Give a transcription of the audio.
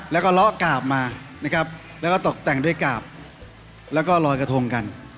แล้วก็เลาะกราบมานะครับแล้วก็ตกแต่งด้วยกาบแล้วก็ลอยกระทงกัน